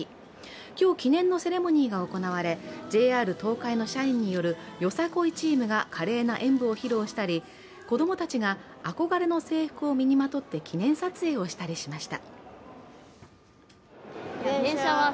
今日、記念のセレモニーが行われ、ＪＲ東海の社員によるよさこいチームが華麗な演舞を披露したり子供たちが憧れの制服を身にまとって記念撮影をしたりしました。